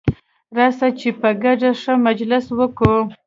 راسه چي په ګډه ښه مجلس وکو.